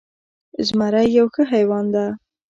زمری یو ښه حیوان ده